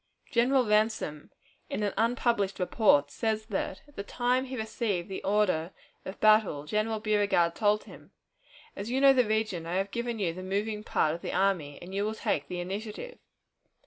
General Ransom, in an unpublished report, says that, at the time he received the order of battle, General Beauregard told him, "As you know the region, I have given you the moving part of the army, and you will take the initiative."